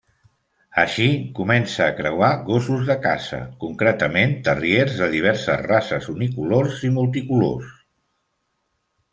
Així, comença a creuar gossos de caça, concretament terriers de diverses races unicolors i multicolors.